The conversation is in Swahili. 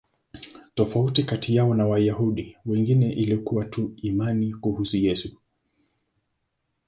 Tofauti kati yao na Wayahudi wengine ilikuwa tu imani kuhusu Yesu.